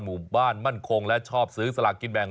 หมู่บ้านมั่นคงและชอบซื้อสลากกินแบ่ง